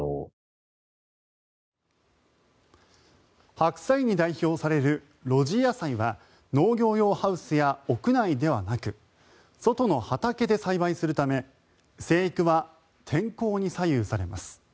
白菜に代表される露地野菜は農業用ハウスや屋内ではなく外の畑で栽培するため生育は天候に左右されます。